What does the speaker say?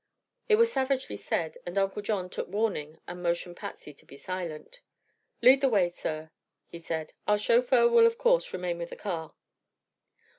It was savagely said, and Uncle John took warning and motioned Patsy to be silent. "Lead the way, sir," he said. "Our chauffeur will of course remain with the car."